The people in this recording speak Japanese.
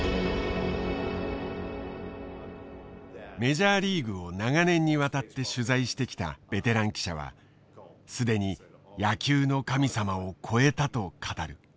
メジャーリーグを長年にわたって取材してきたベテラン記者は既に野球の神様を超えたと語る。